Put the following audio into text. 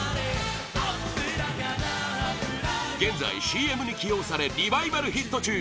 現在、ＣＭに起用されリバイバルヒット中